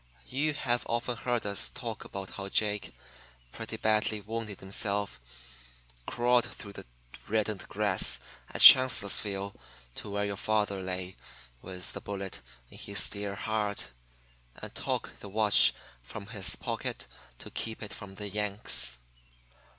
You have often heard us talk about how Jake, pretty badly wounded himself, crawled through the reddened grass at Chancellorsville to where your father lay with the bullet in his dear heart, and took the watch from his pocket to keep it from the "Yanks."